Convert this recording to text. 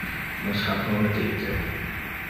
Nos ha promittite.